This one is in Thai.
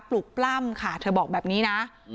ลุกปล้ำค่ะเธอบอกแบบนี้นะ